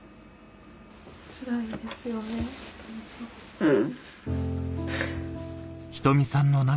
うん。